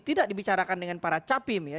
tidak dibicarakan dengan para capim ya